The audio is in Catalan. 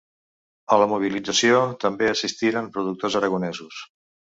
A la mobilització també assistiran productors aragonesos.